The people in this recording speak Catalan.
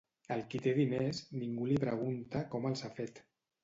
Al qui té diners, ningú li pregunta com els ha fet.